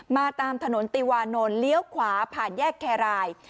ตามถนนติวานนท์เลี้ยวขวาผ่านแยกแครราย